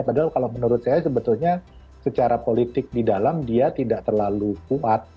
padahal kalau menurut saya sebetulnya secara politik di dalam dia tidak terlalu kuat